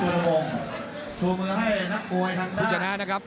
สุดท้าที่สินไพน์โดนมงค์โดมึงให้นักบวยฟุตระนะครับ